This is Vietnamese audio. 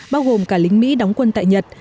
bao gồm cả lính mỹ đóng quân tại nhật